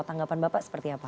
tanggapan bapak seperti apa